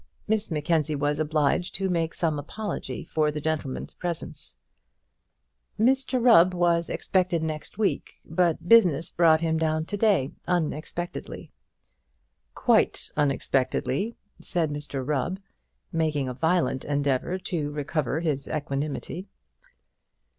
Miss Mackenzie was obliged to make some apology for the gentleman's presence. "Mr Rubb was expected next week, but business brought him down to day unexpectedly." "Quite unexpectedly," said Mr Rubb, making a violent endeavour to recover his equanimity.